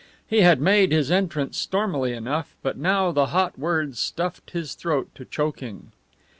He had made his entrance stormily enough, but now the hot words stuffed his throat to choking.